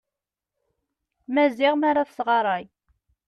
Maziɣ mi ara tesɣaray.